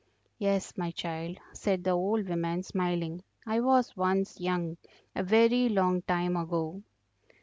"Yes, my child," said the old woman, smiling, "I was once young a very long time ago."